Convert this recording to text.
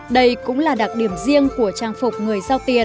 đây cũng là đặc điểm riêng của trang phục người giao tiền